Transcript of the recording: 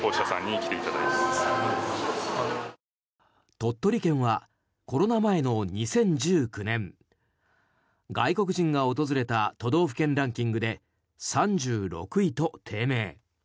鳥取県はコロナ前の２０１９年外国人が訪れた都道府県ランキングで３６位と低迷。